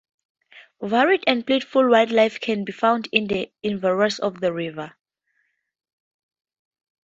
Varied and plentiful wildlife can be found in the environs of the river.